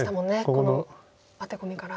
このアテコミから。